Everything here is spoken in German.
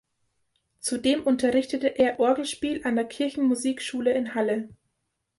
Zudem unterrichtete er Orgelspiel an der Kirchenmusikschule in Halle.